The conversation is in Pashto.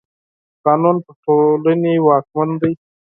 قانون پر ټولني واکمن دی.